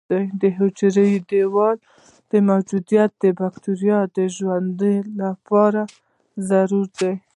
د حجروي دیوال موجودیت د بکټریاوو د ژوند لپاره ضروري دی.